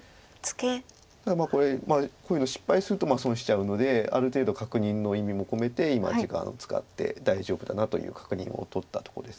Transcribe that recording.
これこういうの失敗すると損しちゃうのである程度確認の意味も込めて今時間使って大丈夫だなという確認を取ったとこです